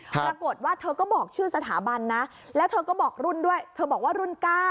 ปรากฏว่าเธอก็บอกชื่อสถาบันนะแล้วเธอก็บอกรุ่นด้วยเธอบอกว่ารุ่น๙